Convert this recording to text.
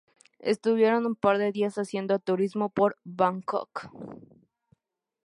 Estuvieron un par de días haciendo turismo por Bangkok.